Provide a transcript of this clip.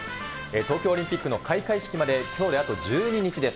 東京オリンピックの開会式まできょうであと１２日です。